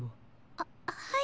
あっはい。